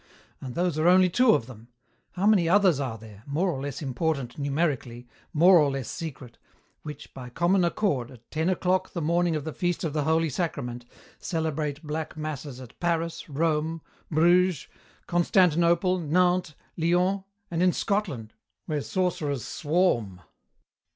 And those are only two of them. How many others are there, more or less important numerically, more or less secret, which, by common accord, at ten o'clock the morning of the Feast of the Holy Sacrament, celebrate black masses at Paris, Rome, Bruges, Constantinople, Nantes, Lyons, and in Scotland where sorcerers swarm!